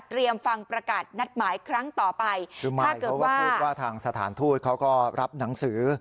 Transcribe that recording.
เตรีย์มฟังประกันนัดหมายครั้งต่อไปถ้าเกิดว่าพูดว่าทางสถานทูจเขาก็รับหนังสือ